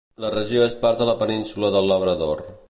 La regió és part de la Península del Labrador.